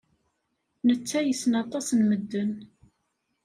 Netta yessen aṭas n medden.